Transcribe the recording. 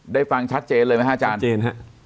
ได้ฟังชัดเจนเลยไหมฮะอาจารย์